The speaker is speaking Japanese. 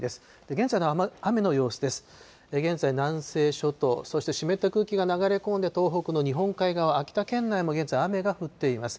現在、南西諸島、そして湿った空気が流れ込んで、東北の日本海側、秋田県内も現在、雨が降っています。